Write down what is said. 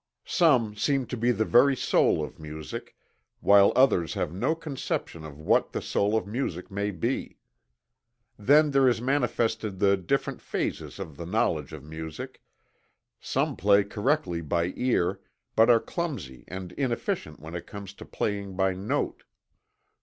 Some seem to be the very soul of music, while others have no conception of what the soul of music may be. Then there is manifested the different phases of the knowledge of music. Some play correctly by ear, but are clumsy and inefficient when it comes to playing by note.